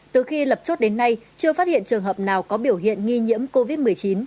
từ khi lập chốt đến nay chưa phát hiện trường hợp nào có biểu hiện nghi nhiễm covid một mươi chín